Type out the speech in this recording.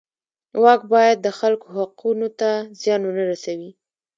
واک باید د خلکو حقونو ته زیان ونه رسوي.